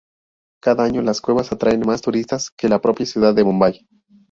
Cada año las cuevas atraen más turistas que la propia ciudad de Bombay.